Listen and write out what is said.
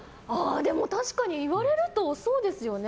でも確かに言われるとそうですよね。